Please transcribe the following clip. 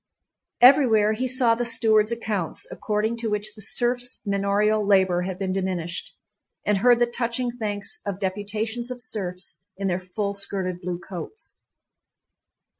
Everywhere he saw the stewards' accounts, according to which the serfs' manorial labor had been diminished, and heard the touching thanks of deputations of serfs in their full skirted blue coats.